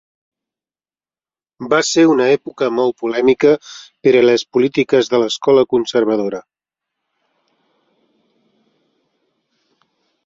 Va ser una època molt polèmica per a les polítiques de l' escola conservadora.